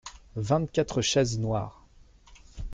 Vingt-quatre chaises noires.